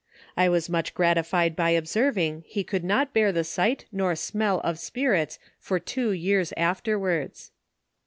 I was much gratified by observing he could not bear the sight nor smell of spirits, for two years afterwards.